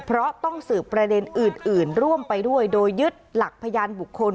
เพราะต้องสืบประเด็นอื่นร่วมไปด้วยโดยยึดหลักพยานบุคคล